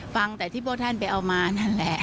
ฟังแต่ที่พวกท่านไปเอามานั่นแหละ